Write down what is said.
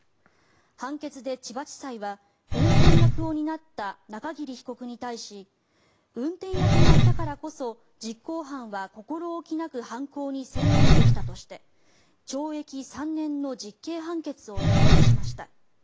判決で千葉地裁は運転役を担った中桐被告に対し運転役がいたからこそ実行犯は心置きなく犯行に専念できたとして懲役３年の実刑判決を言い渡しました。